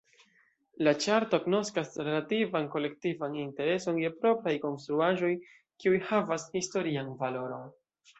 La ĉarto agnoskas relativan kolektivan intereson je propraj konstruaĵoj, kiuj havas historian valoron.